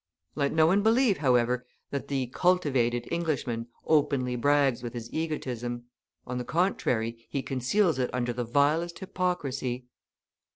Let no one believe, however, that the "cultivated" Englishman openly brags with his egotism. On the contrary, he conceals it under the vilest hypocrisy.